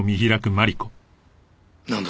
なんだ？